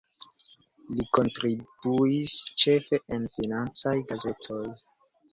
Li kontribuis ĉefe en financaj gazetoj.